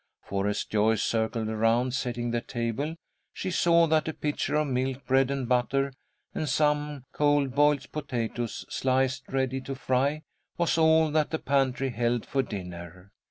For, as Joyce circled around, setting the table, she saw that a pitcher of milk, bread and butter, and some cold boiled potatoes, sliced ready to fry, was all that the pantry held for dinner.